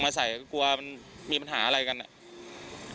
กู้ภัยก็เลยมาช่วยแต่ฝ่ายชายก็เลยมาช่วย